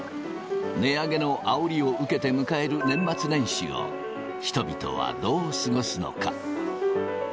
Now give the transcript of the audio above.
値上げのあおりを受けて迎える年末年始を、人々はどう過ごすのか。